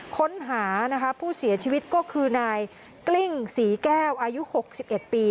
ค้นหานะคะผู้เสียชีวิตก็คือนายกลิ้งศรีแก้วอายุ๖๑ปี